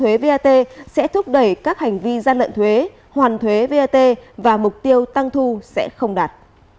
chuyên gia còn lo ngại việc tăng thuế vat sẽ thúc đẩy các hành vi gian lận thuế hoàn thuế vat và mục tiêu tăng thu sẽ không đạt